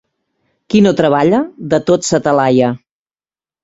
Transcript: Qui no treballa, de tot s'atalaia.